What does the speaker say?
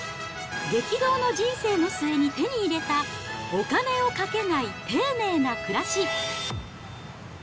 激動の人生の末に手に入れたお金をかけない丁寧な暮らし。